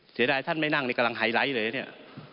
เสียดายท่านไม่นั่งเลยกำลังไฮไลท์เลยเนี่ย